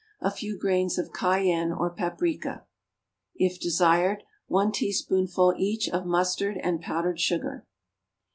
A few grains of cayenne or paprica. If desired, 1 teaspoonful, each, of mustard and powdered sugar.